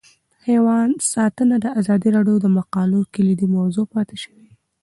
حیوان ساتنه د ازادي راډیو د مقالو کلیدي موضوع پاتې شوی.